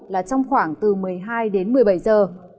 là trong khoảng từ một mươi hai một mươi năm độ